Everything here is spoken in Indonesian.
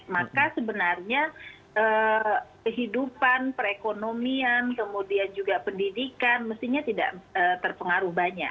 maka sebenarnya kehidupan perekonomian kemudian juga pendidikan mestinya tidak terpengaruh banyak